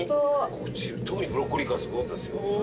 こっち特にブロッコリー感すごかったですよ。